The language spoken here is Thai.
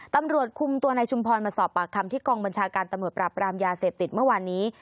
ตำรวจคุมตัวนายชุมพรมาสอบปากคำที่กองบัญชาการตำรวจปราบรามยาเสพติดเมื่อวานนี้